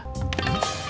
yang penting itu apa